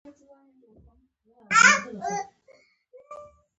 د ځپلو لپاره ډیرې مرستې ته اړتیا لري.